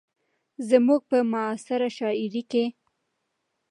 زموږ په معاصره شاعرۍ کې